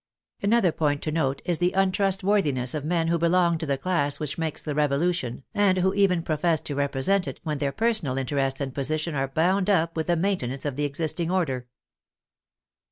Another point to note is the untrustworthiness of men who belong to the class which makes the revolution, and who even profess to represent it, when their personal in terest and position are bound up with the maintenance of the existing order.